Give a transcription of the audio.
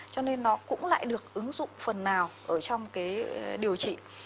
cho nên nó cũng lại được ứng dụng phần nào ở trong cái điều trị